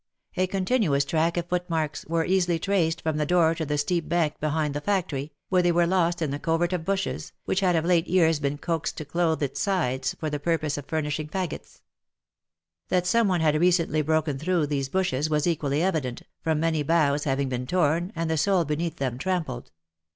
A continuous track of footmarks, were easily traced from the door to the steep bank behind the factory, where they were lost in the covert of bushes, which had of late years been coaxed to clothe its sides for the purpose of furnishing fagots; That some one had recently broken through these bushes was equally evident, from many boughs having been torn, and the soil beneath them trampled.